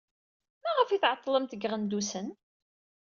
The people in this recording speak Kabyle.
Maɣef ay tɛeḍḍlemt deg Iɣendusen?